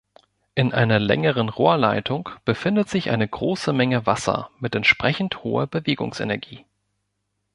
In einer längeren Rohrleitung befindet sich eine große Menge Wasser mit entsprechend hoher Bewegungsenergie.